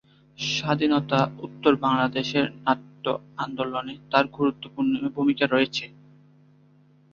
স্বাধীনতা উত্তর বাংলাদেশের নাট্য আন্দোলনে তার গুরুত্বপূর্ণ ভূমিকা রয়েছে।